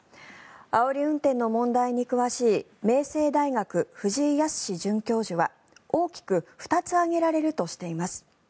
あおり運転の問題に詳しい明星大学、藤井靖准教授は大きく２つ挙げられるとしています。